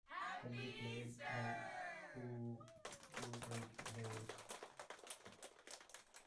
It can be played by two to eight players.